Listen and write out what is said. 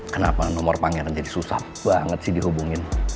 kenapa nomor pangeran jadi susah banget sih dihubungin